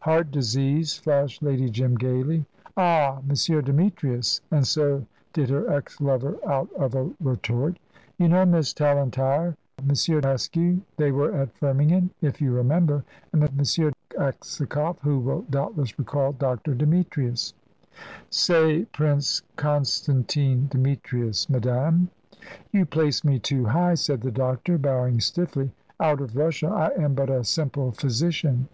"Heart disease," flashed Lady Jim, gaily "Ah, M. Demetrius!" and so did her ex lover out of a retort. "You know Miss Tallentire Mr. Askew; they were at Firmingham, if you remember. And M. Aksakoff, who will doubtless recall Dr. Demetrius." "Say Prince Constantine Demetrius, madame. "You place me too high," said the doctor, bowing stiffly. "Out of Russia I am but a simple physician."